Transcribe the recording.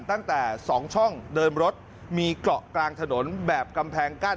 ทางเดียวกันตั้งแต่๒ช่องเดิมรถมีเกาะกลางถนนแบบกำแพงกั้น